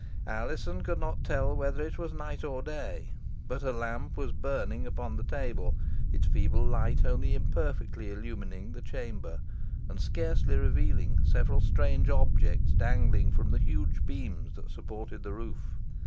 Alizon could not tell whether it was night or day; but a lamp was burning upon the table, its feeble light only imperfectly illumining the chamber, and scarcely revealing several strange objects dangling from the huge beams that supported the roof.